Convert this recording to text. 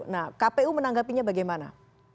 nah kpu menanggapinya bagaimana